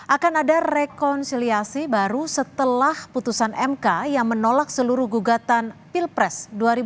akan ada rekonsiliasi baru setelah putusan mk yang menolak seluruh gugatan pilpres dua ribu sembilan belas